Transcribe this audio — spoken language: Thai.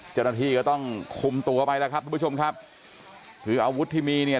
เจ้าหน้าที่ก็ต้องคุมตัวไปแล้วครับทุกผู้ชมครับคืออาวุธที่มีเนี่ย